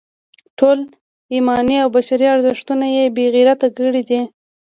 ټول ایماني او بشري ارزښتونه یې بې غیرته کړي دي.